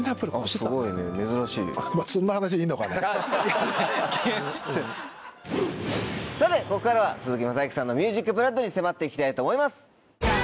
さてここからは鈴木雅之さんのＭＵＳＩＣＢＬＯＯＤに迫って行きたいと思います。